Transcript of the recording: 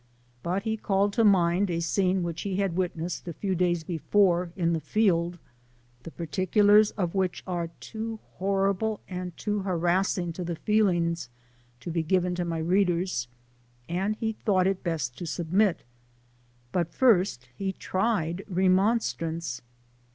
But he called to mind a scene which he had wit nessed a few days before, in the field, the particu lars of which are too horrible and too harassing to the feelings to be given to my readers, and he thought it best to submit ; but first he tried remon strance.